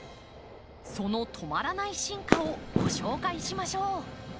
その止まらない進化をご紹介しましょう。